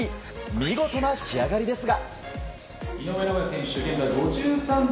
見事な仕上がりですが。